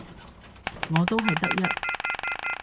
我都係得一